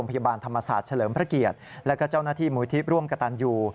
พยาบาลธรรมศาสตร์เฉลิมพระเกียรติและก็เจ้าหน้าที่มูลที่ร่วมกระตันยู